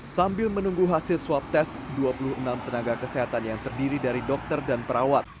sambil menunggu hasil swab test dua puluh enam tenaga kesehatan yang terdiri dari dokter dan perawat